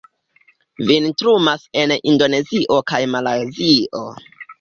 Vintrumas en Indonezio kaj Malajzio.